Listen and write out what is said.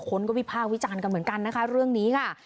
คนก็วิพากษ์วิจารณ์กันเหมือนกันนะคะเรื่องนี้ค่ะ